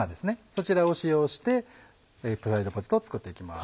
そちらを使用してフライドポテトを作っていきます。